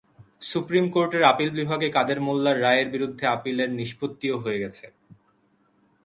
Supreme কোর্টের আপিল বিভাগে কাদের মোল্লার রায়ের বিরুদ্ধে আপিলের নিষ্পত্তিও হয়ে গেছে।